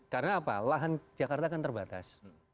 karena apa lahan jakarta kan terbatas